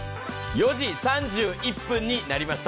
４時３１分になりました。